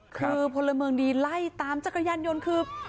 คือพลเมืองดีไล่ตามจักรยานยนต์คือ